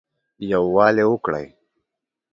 يووالى وکړٸ